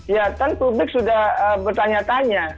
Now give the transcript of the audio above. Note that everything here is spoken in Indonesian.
ya kan publik sudah bertanya tanya